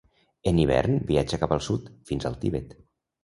En hivern viatja cap al sud, fins al Tibet.